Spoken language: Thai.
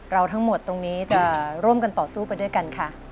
ทั้งหมดตรงนี้จะร่วมกันต่อสู้ไปด้วยกันค่ะ